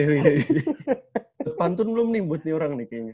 tepantun belum nih buat ni orang nih kayaknya